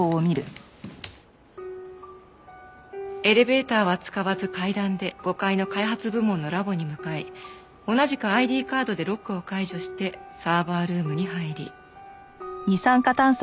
エレベーターは使わず階段で５階の開発部門のラボに向かい同じくＩＤカードでロックを解除してサーバールームに入り。